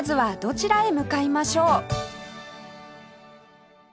どちらへ向かいましょう？